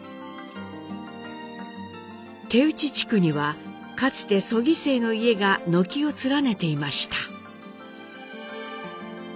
手打地区にはかつて曽木姓の家が軒を連ねていました。